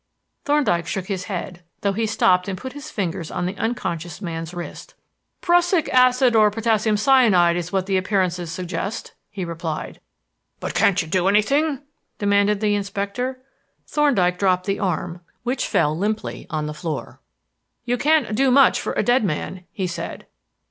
Thorndyke shook his head, though he stooped and put his fingers on the unconscious man's wrist. "Prussic acid or potassium cyanide is what the appearances suggest," he replied. "But can't you do anything?" demanded the inspector. Thorndyke dropped the arm, which fell limply to the floor. "You can't do much for a dead man," he said.